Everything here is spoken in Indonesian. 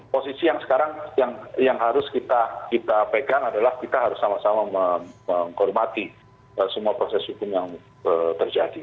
posisi yang sekarang yang harus kita pegang adalah kita harus sama sama menghormati semua proses hukum yang terjadi